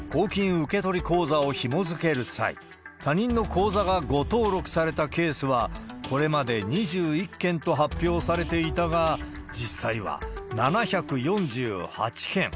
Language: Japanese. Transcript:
受け取り口座をひもづける際、他人の口座が誤登録されたケースは、これまで２１件と発表されていたが、実際は７４８件。